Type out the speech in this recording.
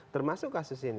termasuk kasus ini